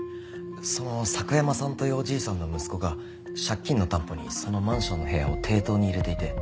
その佐久山さんというおじいさんの息子が借金の担保にそのマンションの部屋を抵当に入れていて。